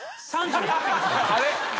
あれ？